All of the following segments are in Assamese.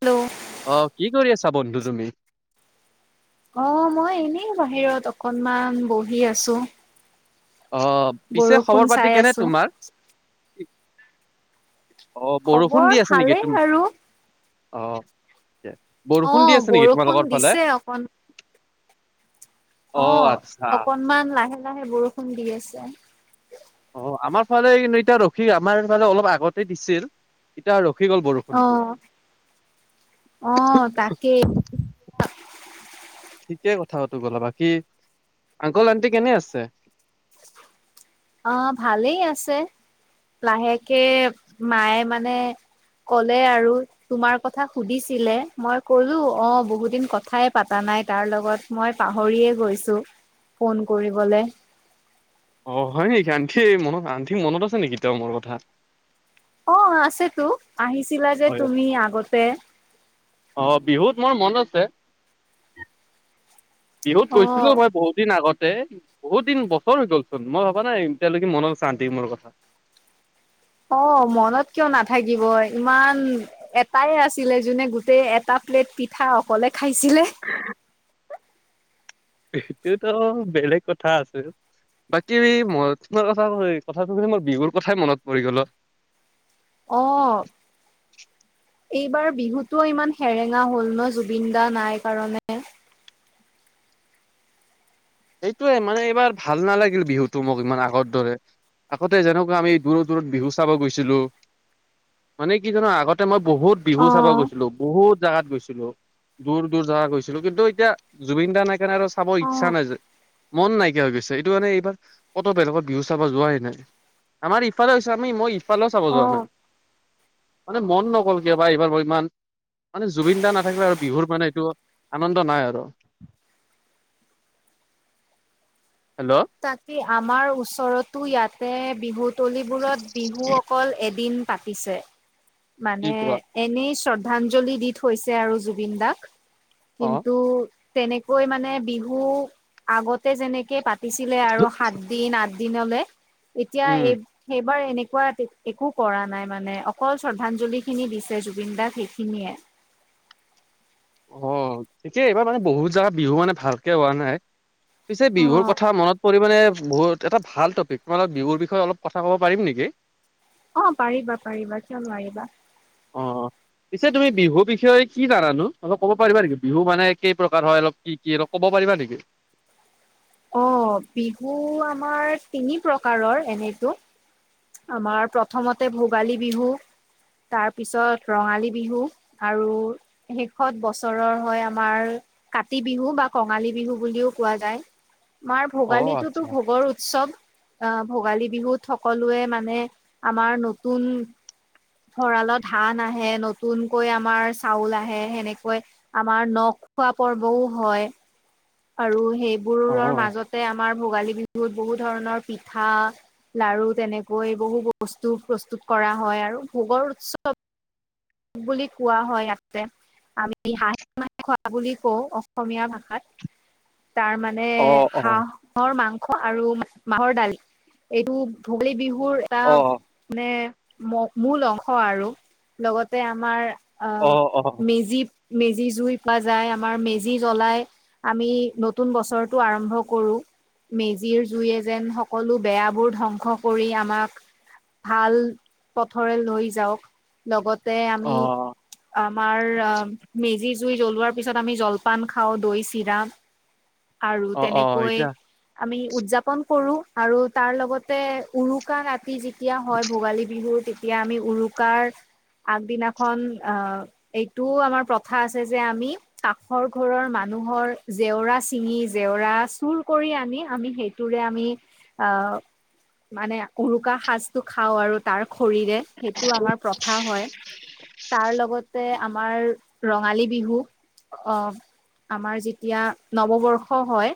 হেল্ল' আহ কি কৰি আছা বন্ধু তুমি? অ' মই এনেই বাহিৰত অকনমান বহি আছো। অ পিছে বৰষুণ খবৰ চাই পাতি কেনে আছো। তোমাৰ? অ বৰষুণ খবৰ দি আছে নেকি? ভালেই তুম আৰু অ- বৰষুণ দি অ' আছে নেকি বৰষুণ তোমালোকৰ ফালে? দিছে অকন অ অকনমান লাহে লাহে বৰষুণ দি আছে। অ আমাৰ ফালে এতিয়া ৰখি আমাৰ ফালে অলপ আগতে দিছিল এতিয়া খি গ'ল বৰষুণটো। অ' অ' তাকেই ঠিকেই কথাটো গলা বাকী আংকল আন্টি কেনে আছে? অ ভালেই আছে লাহেকে মায়ে মানে ক'লে আৰু তোমাৰ কথা সুধিছিলে মই কলো অ বহুত দিন কথাই পাতা ন ত লগত মই পাহৰিয়েই গৈছো ফোন কৰিবলে। অ হয় নেকি আনঠি মনত আনঠিৰ মনত আছে নেকি তেওঁ মোৰ কথা। অ আছে তো। আহিছিলা যে হয় তুমি আগতে। অ বিহুত মোৰ মনত বিহুত অ গৈছিলো মই বহুত দিন আগত। বহুত দিন বছৰ হৈ গ'ল চোন মই ভবা নাই এ এতিয়ালৈকে মনত আছে আন্তি মোৰ কথা। [inaudible] অ মনত কিয় নাথাকিব ইমান এটাই আছিলে যোনে গোটেই এটা প্লেট পিঠা অকলে খাইছিলে। সেটোতো বেলেগ কথা আছিল। বাকী মই তোমাৰ কথা কথাটো শুনি মোৰ বিহুৰ কথাই মনত পৰি গল অ। অ। এইবাৰ বিহুটোও ইমান সেৰেঙা হ'ল ন জুবিন দা নাই কাৰণে। সেইটোয়ে মানে এইবাৰ ভাল নালাগিল বিহুটো মোক ইমান আগৰ দৰে। আগতে যেনেকুৱা আমি দূৰত দূৰত বিহু চাব গৈছিলো। মানে কি জানা আগতে মই বহুত বিহু অ চাব গৈছিলো বহুত জাগাত গৈছিলো দূৰ দূৰ জাগা গৈছিলো কিন্তু এতিয়া জুবিন দা নাইকাৰনে আৰু চাব অ ইচ্ছা নাযায়। মন নাইকিয়া হৈ গৈছে এইটো কাৰনে এইবাৰ কত বেলেগৰ বিহু চাব যোৱাই নাই। আমাৰ ইফালে হৈছে আমি মই ইফালেও চাব অ যোৱা নাই। মানে মন নগল কিয়াবা এইবাৰ বৰ ইমান মানে জুবিন দা নাথাকিলে আৰু বিহুৰ মানে এইটো আনন্দ নাই আৰু। [inaudible] হেল্ল' তাকে আমাৰ ওচৰতো ইয়াতে বিহুত তলিবোৰত বিহু অকল এদিন পাতিছে কি মানে কোৱা এনেই শ্ৰ শ্ৰদ্ধাঞ্জলি দি থৈছে আৰু জুবিন দাক অ কিন্তু তেনেকৈ মানে বিহু আগতে যেনেকে পাতিছিলে আৰু সাত দিন আঠ দিনলে এতিয়া উম এই সেইবাৰ এনে এনেকুৱা একো কৰা নাই মানে অকল শ্ৰদ্ধাঞ্জলি খিনি দিছে জুবিন দাক সেইখিনিয়ে অ ঠিকেই এইবাৰ মানে বহুত জাগা বিহু মানে ভালকে হোৱা নাই পিছে বিহুৰ অ', কথা মনত পৰি মানে বহুত এটা ভাল টপিক তোমাৰে বিহুৰ বিষয়ে অলপ কথা ক'ব পাৰিম নেকি অ পাৰিবা পাৰিবা কিয় নোৱাৰিবা অ অ পিছে তুমি বিহুৰ বিষয়ে কি জানো অলপ ক'ব পাৰিবা নেকি বিহু মানে কেই প্ৰকাৰ হয় অলপ কি কি অলপ ক'ব পাৰিবা নেকি অ বিহু আমাৰ তিনি প্ৰকাৰৰ এনেতো আমাৰ প্ৰথমতে ভোগালী বিহু তাৰ পিছত ৰঙালী বিহু আৰু শেষত বছৰৰ হয় আমাৰ কাতি বিহু বা কঙালী বিহু বুলিও কোৱা যায়। মাৰ অ ভোগালীতোটো আচ্ছা ভোগৰ উৎসৱ। আঁ--ভোগালী বিহুত সকলোৱে মানে, আমাৰ নতুন ভৰালত ধান আহে, নতুনকৈ আমাৰ চাউল আহে সেনেকৈ আমাৰ ন' খোৱা পৰ্বও হ'য় আৰু অ সেইবোৰৰ মাজতে আমাৰ ভোগালী বি বিহুত বহুত ধৰণৰ পিঠা, লাৰু তেনেকৈ বহু বস্তু প্ৰস্তুত কৰা হ'য়। আৰু ভোগৰ উৎসৱ বুলি কোৱা হ'য় ইয়াকে আমি হাঁহে - মাহে খোৱা বুলি কওঁ, অসমীয়া ভাষাত। তাৰ মানে, অ অ হাঁহৰ মাংস্‌ খোৱা আৰু মাহৰ দালি এইটো ভোগালী বিহুৰ এটা অ মানে ম-মূল অংশ আৰু লগতে আমাৰ অ আঁ, অ অ মেজি মেজি জুই পা যাই আমাৰ মেজি জ্বলাই। আমি নতুন বছৰটো আৰম্ভ কৰো। মেজিৰ জুইয়ে যেন সকলো বেয়াবোৰ ধ্বংস কৰি আমাক ভাল পথৰে লৈ যাওক। লগত যে অ আমি আমাৰ, অঁ মেজিৰ জুই জ্বলোৱাৰ পিছত আমি জলপান খাওঁ। দৈ, চিৰা আৰু অ অ তেনেকৈ এতিয়া আমি উদ্‌যাপন কৰো আৰু তাৰ লগতে উৰুকা ৰাতি যেতিয়া হ'য়, ভোগালী বিহু তে- তিয়া আমি উৰুকাৰ আগদিনাখন আ এইটোও আমাৰ প্ৰথা আছে যে আমি কাষৰ ঘৰৰ মানুহ ঘৰ, জেওৰা চিঙি, জেওৰা চুৰকৰি আনি আমি সেইটোৰে আমি অঁ, মানে উৰুকা হাজটো খাওঁ আৰু তাৰ খৰিৰে, সেইটো আমাৰ প্ৰথা হয়। তাৰ লগতে আমাৰ ৰঙালী বিহু অঁ আমাৰ যেতিয়া নৱবৰ্ষ হয়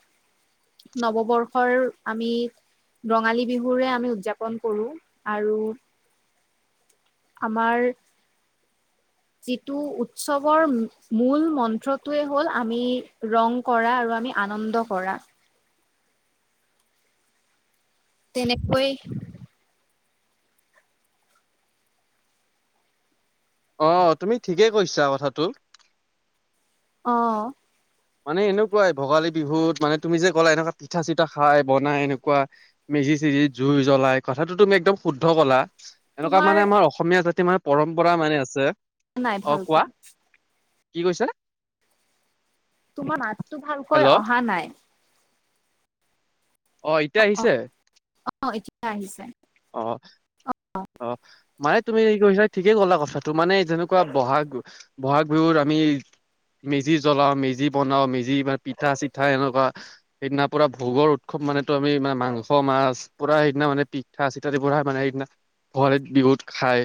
নৱবৰ্ষৰ আমি ৰঙালী বিহুৰে আমি উদ্‌যাপন কৰো আৰু আমাৰ [inaudible] যিটো উৎসৱৰ মূল মন্ত্ৰটোৱে হ'ল আমি ৰং কৰা আৰু আমি আনন্দ কৰা। তেনেকৈ অঁ, তুমি ঠিকেই কৈছা কথাটো। অঁ মানে এনেকুৱাই ভোগালী বিহুত, মানে তুমি যে ক'লা, এনেকুৱা পিঠা -চিঠা খাই, বনাই এনেকুৱা মিত মেজি-চেজি, জুই জ্বলাই। কথাটো তুমি একদম শুদ্ধ ক'লা। এনেকুৱা তোমাৰ মানে, আমাৰ অসমীয়া জাতি মানে পৰম্পৰা মানি আছে। নাই অ কোৱা ভালকে। কি কৈছা? তোমাৰ মাতটো ভালকৈ হেল্ল' অহা নাই। অ, এতিয়া আহিছে? অঁ, এতিয়া আহিছে। অ, অ। মানে তুমি যি কৈছা ঠিকেই ক'লা কথাটো। মানে যেনেকুৱা ব'হাগ, ব'হাগ বিহুত আমি মেজি জ্বলাও, মেজি বনাও, মেজি পিঠা- চিঠা এনেকুৱা সেইদিনাৰ পৰা ভোগৰ উৎসৱ মানেটো আমি মা--মাংস- মাছ পুৰা সেইদিনা মানে, পিক পিঠা-চিঠা দি ভৰা, মানে সেইদিনা ভোগালি বিহুত খায়।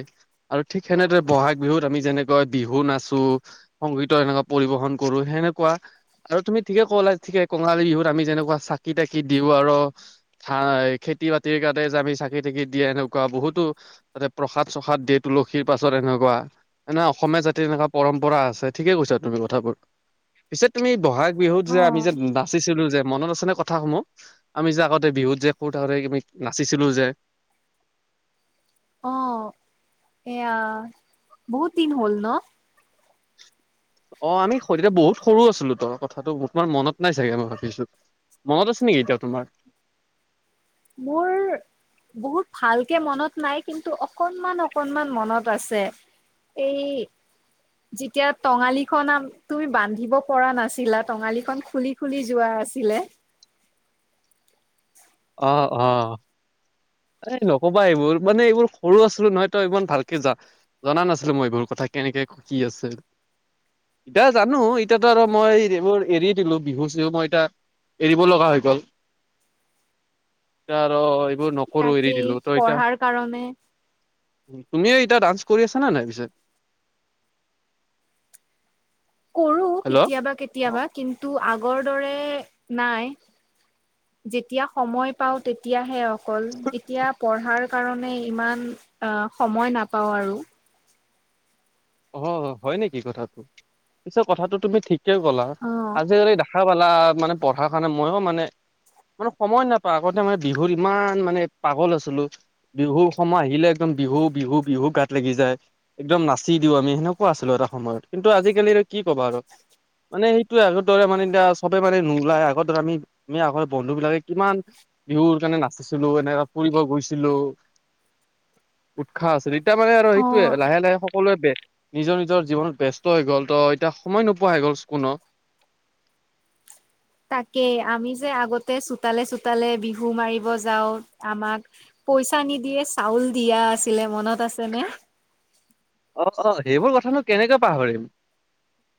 আৰু ঠিক সেনেদৰে ব'হাগ বিহুত আমি যেনেকৈ বিহু নাচো, সংগীতৰ এনেকুৱা পৰিৱেশন কৰো, সে সেনেকুৱা আৰু তুমি ঠিকে ক'লা, ঠিকে কঙালী বিহুত আমি যেনেকুৱা চাকি -তাকি দিওঁ আৰু ঠাই খেতি বাতিৰ কাৰণে যাবি থাকি থাকি দিয়ে এনেকুৱা বহুতো তাতে প্ৰসাদ চসাদ দিয়ে তুলসীৰ পাছত এনেকুৱা অসমীয়া জাতিৰ এনেকুৱা পৰম্পৰা আছে ঠিকে কৈছা আৰু তুমি কথাবোৰ পিছে তুমি বহাগ বিহুত যে অ আমি যে নাচিছিলো যে মনত আছেনে কথাসমূহ, আমি যে আগতে বিহুত যে সৰু থাকোঁতে আমি নাচিছিলো যে অ এয়া বহুত দিন হ'ল ন অ আমি বহুত সৰু আছিলো ত,, কথাটোৰ মনত নাই চাগে মই ভাবিছো মনত আছে নেকি এতিয়াও তোমাৰ মোৰ বহুত ভালকে মনত নাই কিন্তু অকনমান অকনমান মনত আছে। এই। যেতিয়া টঙালি খন তুমি বান্ধিব পৰা নাছিলা টঙালি খন খুলি খুলি যোৱা আছিলে অ অ এই নকবা এইবোৰ মানে এইবোৰ সৰু আছিলো নহয় ত ইমান ভালকে যা জনা নাছিলো মই এইবোৰ কথা কথা কেনেকে কি আছে এতিয়া জানো এতিয়াতো আৰু মই এইবোৰ এৰি দিলো বিহু চিহু মই এতিয়া এৰিব লগা হৈ গল তাৰ এইবোৰ নকৰো এৰি তাকেই দিলো তই এতিয়া পঢ়াৰ কাৰণে তুমিয়ে এতিয়া ডান্স কৰি আছা নে নাই পিছে? [unintelligible] কৰো হেল্ল' কেতিয়াবা অ কেতিয়াবা কিন্তু আগ আগৰ দৰে নাই যেতিয়া সময় পাওঁ তেতিয়াহে অকল এতিয়া পঢ়াৰ কাৰণে ইমান সময় নাপাওঁ আৰু অ হয় নেকি? কথাটো পিছে কথাটো তুমি ঠিকে কলা অ আজিকালি পঢ়াবালা মানে পঢ়াৰ কাৰণে মইও মানে মানে সময় নাপাওঁ আগতে মানে বিহুৰ ইমান মানে পাগল আছিলো বিহুৰ সময় আহিলে একদম বিহু বিহু বিহু গাত লাগি যায় একদম নাচ চি দিওঁ আমি সেনেকুৱা আছিলো এটা সময়ত, কিন্তু আজিকালি আৰু কি ক'বা আৰু মানে সেইটো আগৰ দৰে মানে এতিয়া চবে মানে নোলাই আগৰ দৰে আমি আমি আগৰ বন্ধু বিলাকে কিমান বিহুৰ কাৰণে নাচিছিলো এনেকা ফুৰিব গৈছিলো উৎসাহ আছিল এতিয়া মানে আৰু অ সেইটোৱেই লাহে লাহে সকলোৱে নিজৰ নিজৰ জীৱনত ব্যস্ত হৈ গ'ল ত এতিয়া সময় নোপোৱা হৈ গ'ল কোন [inaudible] [unintelligible] তাকেই আমি যে আগতে চোতালে চোতালে বিহু মাৰিব যাওঁ আমাক পইচা নিদিয়ে চাউল দিয়া আছিলে মনত আছে নে অ অ সেইবোৰ কথানো কেনেকে পাহৰিম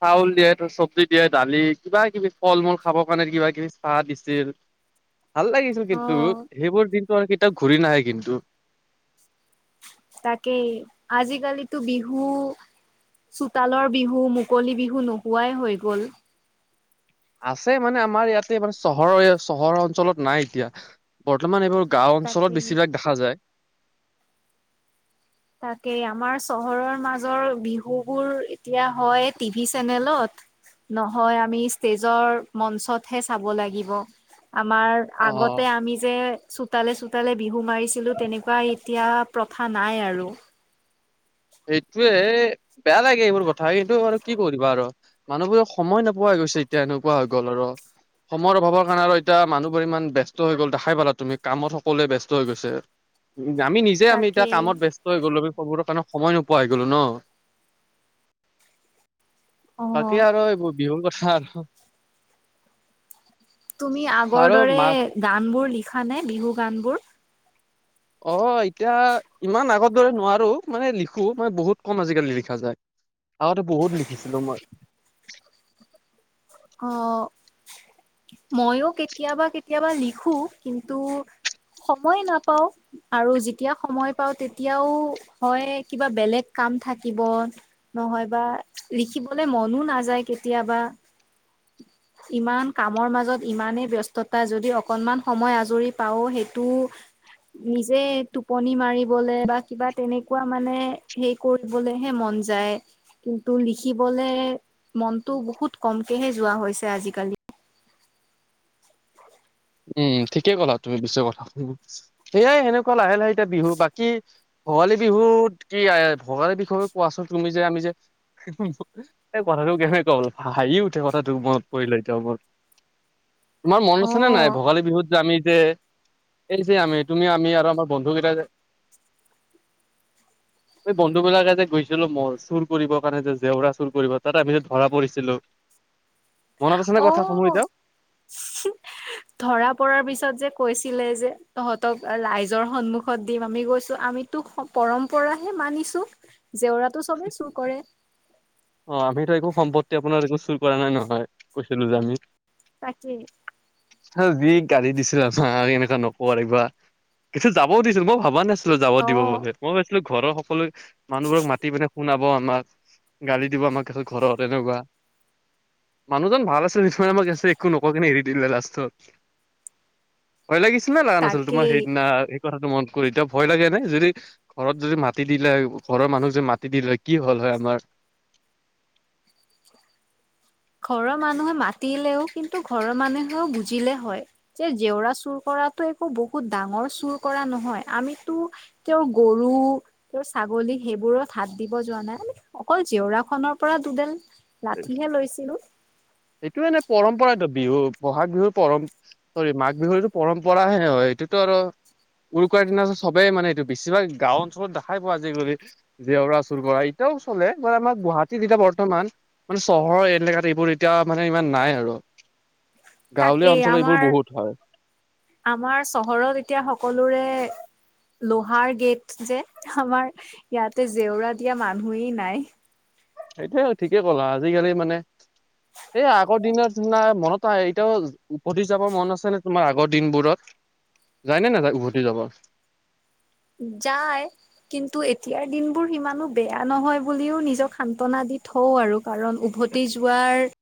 চাউল দিয়ে ত চব্জি দিয়ে দালি কিবা কিবি ফল মূল খাব কাৰণে কিবা কিবি চাহ দিছিল ভাল লাগিছিল কিন্তু অ সেইবোৰ দিনটো আৰু কেতিয়াও ঘূৰি নাহে কিন্তু তাকেই আজিকালিতো বিহু চোতালৰ বিহু মুকলি বিহু নোহোৱাই হৈ গল আছে মানে আমাৰ ইয়াতে মানে চহৰৰ চহৰৰ অঞ্চলত নাই এতিয়া বৰ্তমান এইবোৰ গাঁও অঞ্চলত তাকেই বেছিভাগ দেখা যায় তাকেই আমাৰ চহৰৰ মাজৰ বিহুবোৰ এতিয়া হয় টিভি চেনেলত নহয় আমি ষ্টেজৰ মঞ্চতহে চাব লাগিব আমাৰ অ'। আগতে আমি যে চোতালে চোতালে বিহু মাৰিছিলো তেনেকুৱা এতিয়া প্ৰথা নাই আৰু সেইটোয়ে বেয়া লাগে এইবোৰ কথা কিন্তু বাৰু কি কৰিবা আৰু মানুহবোৰক সময় নোপোৱা কৈছে এতিয়া এনেকুৱা হৈ গ'ল আৰু সময়ৰ অভাৱৰ কাৰণে আৰু এতিয়া মানুহবোৰ ইমান ব্যস্ত হৈ গ'ল দেখাই পালা তুমি কামত সকলোৱে ব্যস্ত হৈ গৈছে উ আমি নিজে আমি এতিয়া তাকেই কামত ব্যস্ত হৈ গ'লো স খবৰ কাৰণে। সময় নোপোৱা হৈ গ'লো ন। অ বাকী আৰু এইবোৰ বিহুৰ কথা আৰু তুমি আগৰ আৰু দৰে মাক গান বোৰ লিখা নে বিহু গান বোৰ। অ এতিয়া ইমান আগৰ দৰে নোৱাৰো মানে লিখো মানে বহুত কম আজিকালি লিখা যায়। আৰুতো বহুত লিখিছিলো মই। আহ মইও কেতিয়াবা কেতিয়াবা লিখো কিন্তু সময় নাপাও আৰু যেতিয়া সময় পাওঁ তেতিয়াও হয় কিবা বেলেগ কাম [unintelligible] নাম থাকিব নহয়বা লিখিবলে মনো নাযায় কেতিয়াবা। [inaudible] ইমান কামৰ মাজত ইমানেই ব্যস্ততা যদি অকনমান সময় আজৰি পাও সেইটো। নিজে টোপনি মাৰিবলে বা কিবা তেনেকুৱা মানে হে কৰিবলেহে মন যায়। কিন্তু লিখিবলে মনটো বহুত কম তেহে যোৱা হৈছে আজিকালি উম ঠিকে ক'লা তুমি বিশ্ব কথা শু সেইয়াই সেনেকুৱা লাহে লাহে এতিয়া বিহু বাকী [unintelligible] ভোগালী বিহুত কি ভোগালী বিষয়ে কোৱাচোন তুমি যে আমি যে এই কথাটো কেনেকৈ হ'ল হাঁহি উঠে কথাটো মনত পৰিলে এতিয়াও মোৰ তোমাৰ মন অ আছেনে নাই ভোগালী বিহুত যে আামি যে এই যে আমি তুমি আমি আৰু আমাৰ বন্ধুকেইটাই যে [inaudible] এই বন্ধু বিলাকে যে গৈছিলো ম চুৰ কৰিব কাৰণে যে জেওৰা চুৰ কৰিব তাত আমি যে ধৰা পৰিছিলো মনত আছেনে কথা সমূহ অ এতিয়াও ধৰা পৰাৰ পিছত যে কৈছিলে যে তহঁতক ৰাইজৰ সন্মুখত দিম আমি গৈছো আমিতোক পৰম্পৰাহে মানিছো জেওৰাটো চবেই চুৰ কৰে পৰা নাই নহয় কৈছিলো যে আমি তাকে হ যি গালি দিছিলে আমাৰ এনেকুৱা নকওঁ এইবাৰ পিছত যাবও দিছিল মই ভবা নাছিলো [unintelligible] যাব অ দিব মই ভাবিছিলো ঘৰৰ সকলো মানুহবোৰক মাতি পেনে শুনা আমাক গালি দিব আমাৰ ঘৰত এনেকুৱা মানুহজন ভাল আছে নিশ্চই আমাক আছে একো নকয় কিনে এৰি দিলে ল। হয় লাগিছিল না নালাগিছিল তোমাৰ তাকেই সেইদিনা সেই কথাটো মানে [unintelligible] কৰি এতিয়া ভয় লাগে নাই যদি ঘৰত যদি মাতি দিলে ঘৰৰ মানুহক যদি মাতি দিলে কি হল হয় আমাৰ [inaudible] ঘৰৰ মানুহে মাতিলেও কিন্তু ঘৰৰ মানুহেও বুজিলে হয় যে জেওৰা চুৰ কৰাত। একো বহুত ডাঙৰ চুৰ কৰা নহয় আমিতো তেওঁৰ গৰু তেওঁৰ ছাগলী। সেইবোৰত হাত দিব যোৱা নাই অকল জেউৰা খনৰ পৰা দুডেল লাঠিহে লৈছো। এইটো এনে পৰম্পৰা বিহু ব'হাগ বিহুৰ পৰম চৰি মাঘ বিহুৰতো পৰম্পৰা হে হয় এইটোটো আৰু উৰুকাৰ দিনা চবেই মানে এইটো বেছিভাগ গাও অঞ্চলত দেখাই পোৱা আজিকালি জেওৰা চুৰ কৰা এতিয়াও চলে ম আমাৰ গুৱাহাটীত এতিয়া বৰ্তমান মানে চহৰৰ এলেকাত এইবোৰ এতিয়া মানে ইমান নাই আৰু গাঁৱলীয়া তাকেই অঞ্চলত এইবোৰ আমাৰ বহুত হয় আমাৰ চহৰত এতিয়া সকলোৰে লোহাৰ গেট যে আমাৰ ইয়াতে জেওৰা দিয়া মানুহেই নাই। সেইটোয়ে ঠিকে ক'লা আজিকালি মানে এই আগৰ দিনত না মনত আহে এতিয়াও উভতি যাব মন আছে নে তোমাৰ আগৰ দিনবোৰত? যায়নে নাযায় উভতি যাব? যায় কিন্তু এতিয়াৰ দিনবোৰ সিমানো বেয়া নহয় বুলিও নিজক সান্তনা দি থওঁ আৰু কাৰণ উভতি যোৱাৰ